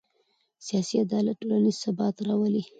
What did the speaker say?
سیاسي عدالت ټولنیز ثبات راولي